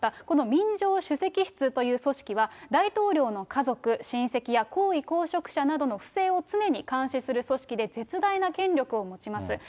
この民情首席室という組織は、大統領の家族、親戚や高位公職者などの不正を常に監視する組織で、絶大な権力を持ちます。